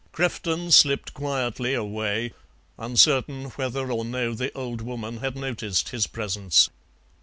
Crefton slipped quietly away, uncertain whether or no the old woman had noticed his presence.